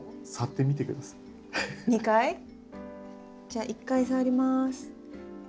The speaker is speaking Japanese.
じゃあ１回触ります。